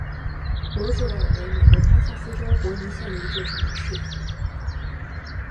罗泽尔为美国堪萨斯州波尼县的一座城市。